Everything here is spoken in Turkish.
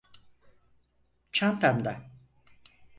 Çantamda.